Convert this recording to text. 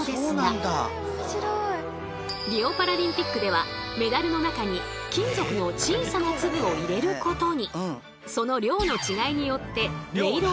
リオパラリンピックではメダルの中に金属の小さな粒を入れることに！